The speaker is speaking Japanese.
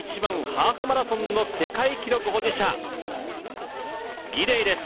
ハーフマラソンの世界記録保持者ギデイです